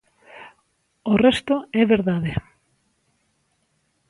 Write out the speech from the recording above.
O resto é verdade.